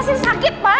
palem pasir sakit pak